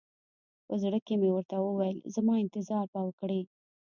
په زړه کښې مې ورته وويل زما انتظار به وکړې.